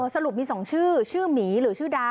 สรุปมี๒ชื่อชื่อหมีหรือชื่อดา